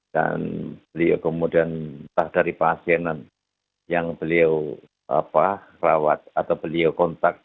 dan beliau kemudian entah dari pasienan yang beliau rawat atau beliau kontak